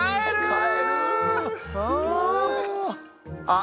あ！